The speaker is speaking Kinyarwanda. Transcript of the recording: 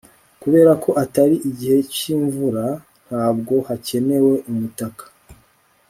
kubera ko atari igihe cyimvura, ntabwo hakenewe umutaka